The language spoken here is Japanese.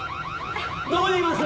どこにいます？